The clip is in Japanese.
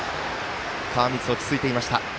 川満、落ち着いていました。